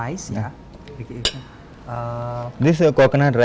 jadi sebenarnya ini juga disediakan dengan nasi ya